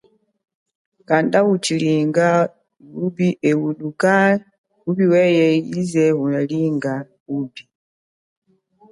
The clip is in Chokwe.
Kanda uchilinga ehuka yipi litume yeyako mu jila ye.